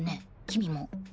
君も。